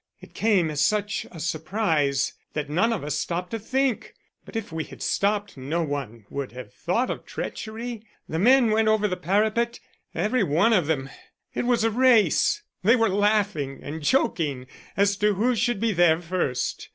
"It came as such a surprise that none of us stopped to think; but if we had stopped no one would have thought of treachery. The men went over the parapet every one of them. It was a race they were laughing and joking as to who should be there first.